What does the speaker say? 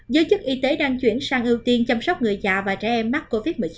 giới chức y tế đang chuyển sang ưu tiên chăm sóc người già và trẻ em mắc covid một mươi chín